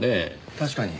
確かに。